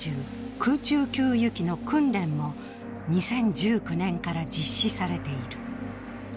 空中給油機の訓練も２０１９年から実施されている。